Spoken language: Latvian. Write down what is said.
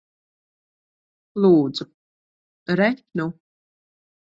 Lūdzu. Re nu.